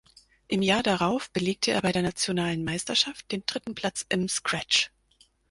Im Jahr darauf belegte er bei der nationalen Meisterschaft den dritten Platz im Scratch.